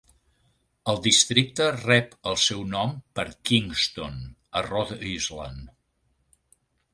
El districte rep el seu nom per Kingston, a Rhode Island.